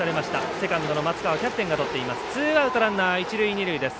セカンドの松川キャプテンがとっています。